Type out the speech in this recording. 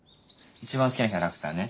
一番好きなキャラクターね。